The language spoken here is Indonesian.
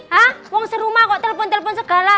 ha uang serumah kok telepon telepon segala